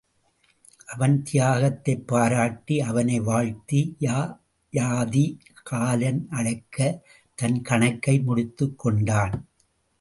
அவன் தியாகத்தைப் பாராட்டி அவனை வாழ்த்தி யயாதி காலன் அழைக்கத் தன் கணக்கை முடித்துக் கொண்டான்.